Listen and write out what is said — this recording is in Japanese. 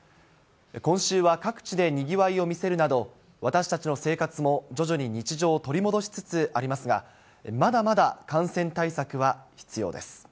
今週は各地でにぎわいを見せるなど、私たちの生活も徐々に日常を取り戻しつつありますが、まだまだ感染対策は必要です。